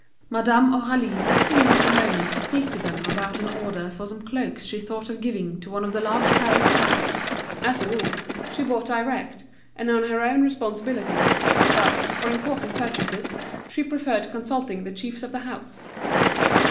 Madame Aurélie left Denise a moment to speak to them about an order for some cloaks she thought of giving to one of the large Paris houses; as a rule, she bought direct, and on her own responsibility; but, for important purchases, she preferred consulting the chiefs of the house.